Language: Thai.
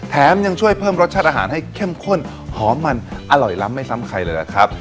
ยังช่วยเพิ่มรสชาติอาหารให้เข้มข้นหอมมันอร่อยล้ำไม่ซ้ำใครเลยล่ะครับ